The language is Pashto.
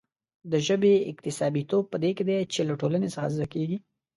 د ژبې اکتسابيتوب په دې کې دی چې له ټولنې څخه زده کېږي.